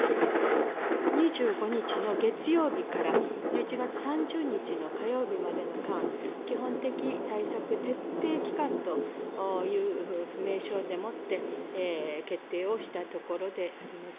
２５日の月曜日から１１月３０日の火曜日までの間、基本的対策徹底期間という名称でもって決定をしたところであります。